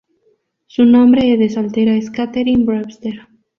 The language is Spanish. Su nombre de soltera es Katherine Brewster.